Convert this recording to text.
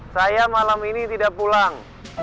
saya malam ini tidak pulang